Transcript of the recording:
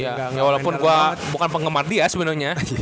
ya walaupun gue bukan penggemar dia sebenarnya